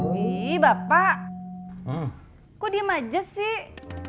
wih bapak kok diem aja sih